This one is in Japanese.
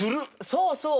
そうそう。